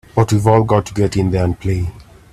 But we've all got to get in there and play!